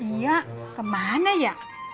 iya kemana nyak